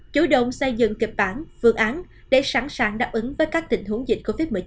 chủ động xây dựng kịch bản phương án để sẵn sàng đáp ứng với các tình huống dịch covid một mươi chín